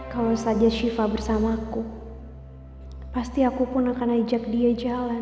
kalau saja sifaa bersama aku pasti aku pun akan ajak dia jalan